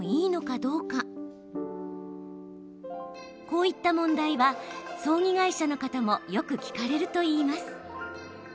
こういった問題は葬儀会社の方もよく聞かれると言います。